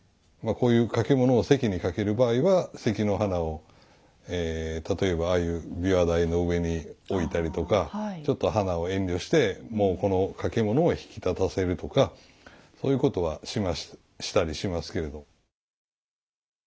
こういう掛物を席にかける場合は席の花を例えばああいう琵琶台の上に置いたりとかちょっと花を遠慮してもうこの掛物を引き立たせるとかそういうことはしたりしますけれど。